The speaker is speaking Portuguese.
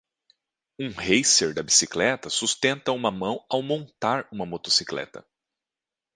Um racer da bicicleta sustenta uma mão ao montar uma motocicleta.